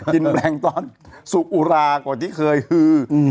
กินแบรงด์ตอนสุกอุรากว่าที่เคยคือ